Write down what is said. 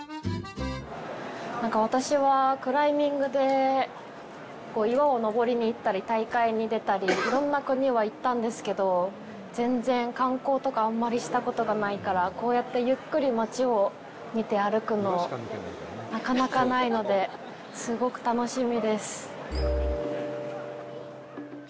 私は、クライミングで岩を登りに行ったり、大会に出たり、いろんな国は行ったんですけど、全然、観光とかあんまりしたことがないから、こうやってゆっくり街を見て歩くの、なかなかないので、すごく楽しみです。